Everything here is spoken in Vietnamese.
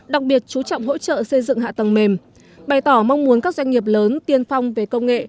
đặc biệt chú trọng hỗ trợ xây dựng hạ tầng mềm bày tỏ mong muốn các doanh nghiệp lớn tiên phong về công nghệ